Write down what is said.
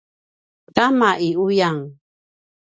kama i uyan